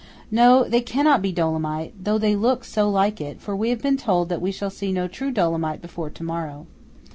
No, they cannot be Dolomite, though they look so like it; for we have been told that we shall see no true Dolomite before to morrow.